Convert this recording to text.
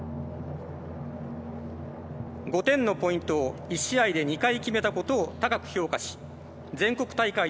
５点のポイントを一試合で２回決めたことを高く評価し全国大会での活躍を期待します。